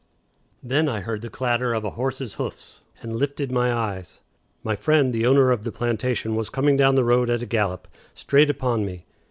Then I heard the clatter of a horse's hoofs, and lifted my eyes. My friend the owner of the plantation was coming down the road at a gallop, straight upon me.